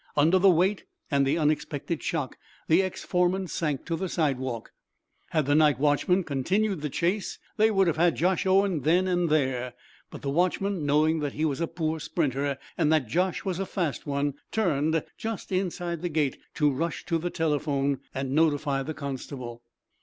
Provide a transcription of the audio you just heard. Under the weight and the unexpected shock the ex foreman sank to the sidewalk. Had the night watchman continued the chase they would have had Josh Owen then and there. But the watchman, knowing that he was a poor sprinter, and that Josh was a fast one, turned, just inside the gate, to rush to the telephone and notify the constable.